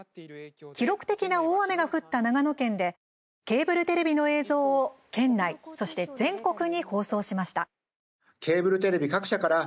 記録的な大雨が降った長野県でケーブルテレビの映像を県内、そして全国に放送しました。